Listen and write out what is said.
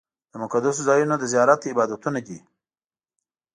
د مقدسو ځایونو د زیارت عبادتونه دي.